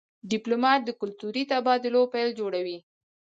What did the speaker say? ډيپلومات د کلتوري تبادلو پل جوړوي.